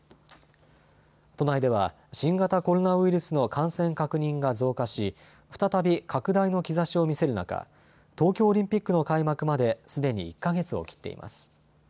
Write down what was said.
都内では新型コロナウイルスの感染確認が増加し再び拡大の兆しを見せる中、東京オリンピックの開幕まですでに１か月を切っています。